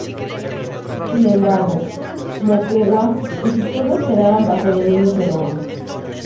Sin embargo, Moquegua y sus pueblos quedaban bajo dominio peruano.